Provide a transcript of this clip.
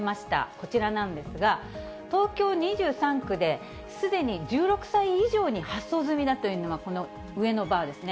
こちらなんですが、東京２３区で、すでに１６歳以上に発送済みだというのが、この上のバーですね。